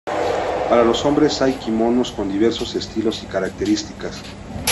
Para los hombres hay kimonos con diversos estilos y características.